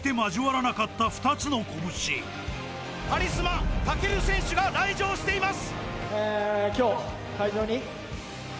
カリスマ武尊選手が来場しています！